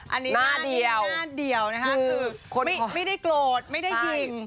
อันนี้หน้าเดียวหน้าเดียวนะคะคือคนไม่ได้โกรธไม่ได้ยิง